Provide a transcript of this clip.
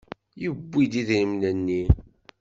Yewwi-d idrimen-nni.